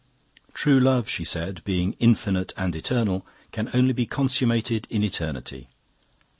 "'True love,' she said, 'being infinite and eternal, can only be consummated in eternity.